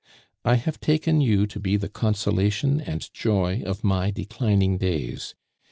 I have taken you to be the consolation and joy of my declining days.